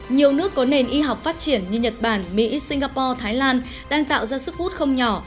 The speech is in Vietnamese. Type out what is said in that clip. nhiều nước có nền y học phát triển như nhật bản mỹ singapore thái lan đang tạo ra sức hút không nhỏ